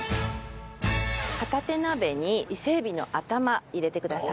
片手鍋に伊勢エビの頭入れてください。